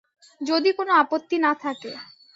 যদি কোনো আপত্তি না থাকে।